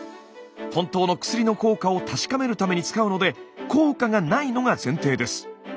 本当の薬の効果を確かめるために使うので効果が無いのが前提です。